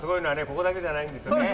ここだけじゃないんですよね。